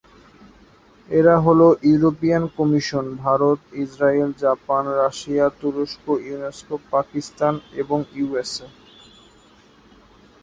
এরা হলো European Commission, Bharat, Israel, Japan, Russia, তুরস্ক, ইউনেস্কো, পাকিস্তান এবং ইউএসএ।